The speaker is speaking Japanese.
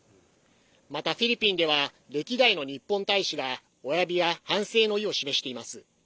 また、フィリピンでは歴代の日本大使がおわびや反省の意を示しています。